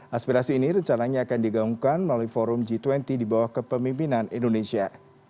aspirasi ini rencananya akan digaungkan melalui forum g dua puluh di bawah kepemimpinan indonesia